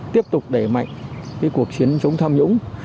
tiếp tục đẩy mạnh cái cuộc chiến chống tham nhũng